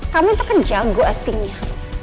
kamu itu kan jago acting nya